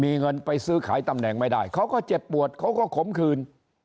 มีเงินไปซื้อขายตำแหน่งไม่ได้เขาก็เจ็บปวดเขาก็ขมคืน